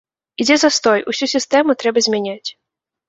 Ідзе застой, усю сістэму трэба змяняць.